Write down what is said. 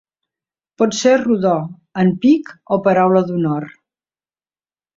Pot ser rodó, en pic o paraula d'honor.